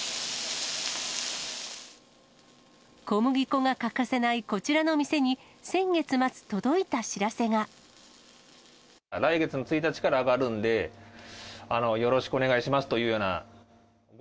小麦粉が欠かせないこちらの店に、来月の１日から上がるんで、よろしくお願いしますというような。